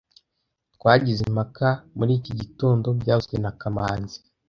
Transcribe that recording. Twagize impaka muri iki gitondo byavuzwe na kamanzi